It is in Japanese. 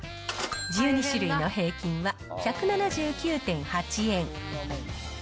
１２種類の平均は１７９．８円。